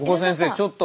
ちょっと。